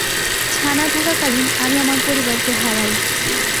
ছানা থাকাকালীন, আমি আমার পরিবারকে হারাই।